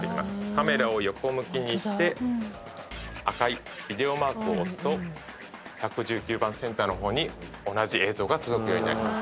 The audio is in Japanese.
カメラを横向きにして赤いビデオマークを押すと１１９番センターの方に同じ映像が届くようになります。